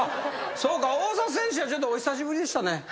そうか大里選手はちょっとお久しぶりでしたね。